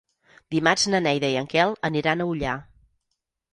Dimarts na Neida i en Quel aniran a Ullà.